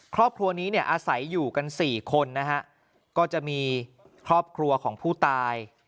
ครอบครัวนี้เนี่ยอาศัยอยู่กันสี่คนนะฮะก็จะมีครอบครัวของผู้ตาย